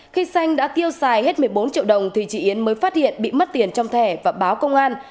khi xanh đã tiêu xài hết một mươi bốn triệu đồng thì chị yến mới phát hiện bị mất tiền trong thẻ và báo công an